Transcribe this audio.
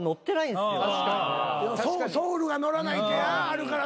そうソウルが乗らないってあるからな。